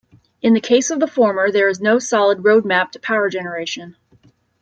In the case of the former, there is no solid roadmap to power generation.